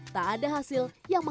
tak ada hasil yang berbeda